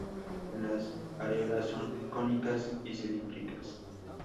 Las areolas son cónicas y cilíndricas.